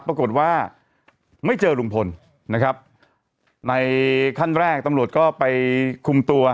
ปรากฏว่าไม่เจอลุงพลนะครับในขั้นแรกตำรวจก็ไปคุมตัว